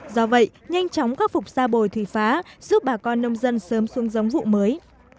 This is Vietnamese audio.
do vậy nhanh chóng khắc phục xa bồi thủy phá giúp bà con nông dân sớm xuống giống vụ mới